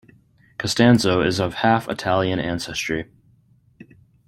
Costanzo is of half Italian ancestry.